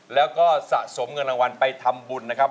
แล้วก็สะสมเงินรางวัลไปทำบุญนะครับ